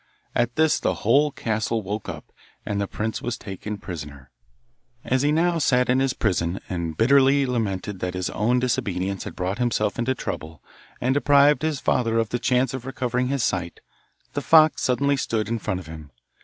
At this the whole castle woke up, and the prince was taken prisoner. As he now sat in his prison, and bitterly lamented that his own disobedience had brought himself into trouble, and deprived his father of the chance of recovering his sight, the fox suddenly stood in front of him.